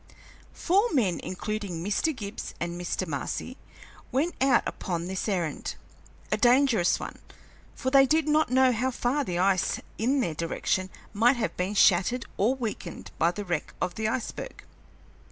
Four men, including Mr. Gibbs and Mr. Marcy, went out upon this errand, a dangerous one, for they did not know how far the ice in their direction might have been shattered or weakened by the wreck of the iceberg.